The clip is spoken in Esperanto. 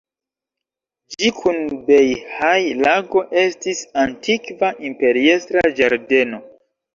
Ĝi kun Bejhaj-lago estis antikva imperiestra ĝardeno.